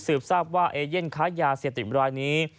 สืบทราบว่าเอเยี่ยนค้ายาเสียบติดบรายนี้